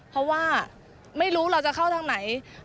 เพราะว่าไม่รู้เราจะเข้าทางไหน